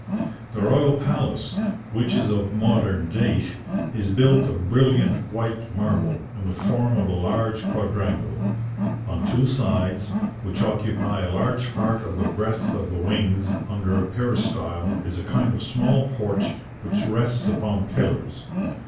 The royal palace, which is of modern date, is built of brilliant white marble, in the form of a large quadrangle. On two sides, which occupy a large part of the breadth of the wings, under a peristyle, is a kind of small porch which rests upon pillars.